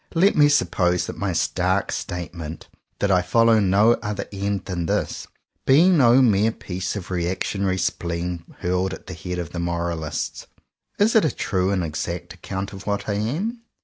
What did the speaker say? Let me suppose that my stark statement — that I follow no other end than this — be no mere piece of reactionary spleen hurled at the head of Moralists. Is it a true and exact account of what I am